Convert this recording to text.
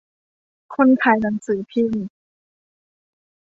คนขายหนังสือพิมพ์